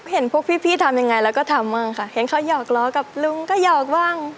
เห็นเขาหยอกล้อกับลุงก็หยอกบ้าง